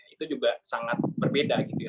itu juga sangat berbeda gitu ya